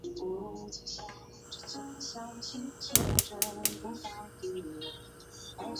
黑风洞是雪兰莪鹅唛县的一个巫金也是一个城镇。